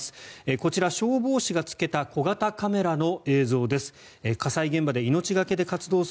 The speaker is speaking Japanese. こちら、消防士がつけた小型カメラの映像です。